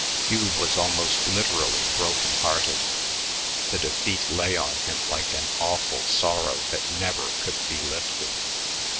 Hugh was almost literally broken hearted; the defeat lay on him like an awful sorrow that never could be lifted.